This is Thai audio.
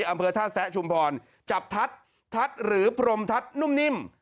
อำเภอท่าแสะชุมพรจับทัดทัดหรือพรมทัดนุ่มนิ่ม